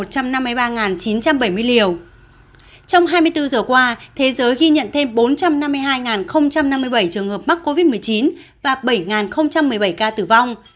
trong hai mươi bốn giờ qua thế giới ghi nhận thêm bốn trăm năm mươi hai năm mươi bảy trường hợp mắc covid một mươi chín và bảy một mươi bảy ca tử vong